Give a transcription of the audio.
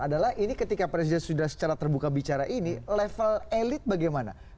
adalah ini ketika presiden sudah secara terbuka bicara ini level elit bagaimana